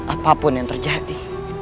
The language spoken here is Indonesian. apapun yang terjadi